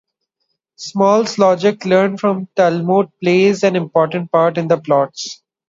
Small's logic, learned from the Talmud, plays an important part in the plots.